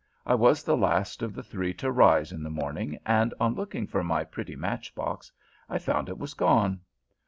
I was the last of the three to rise in the morning, and on looking for my pretty match box, I found it was gone.